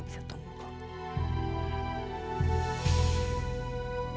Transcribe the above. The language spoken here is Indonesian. bisa tunggu kok